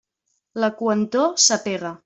La coentor s'apega.